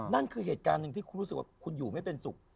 นั่นคือเหตุการณ์หนึ่งที่คุณรู้สึกว่าคุณอยู่ไม่เป็นสุข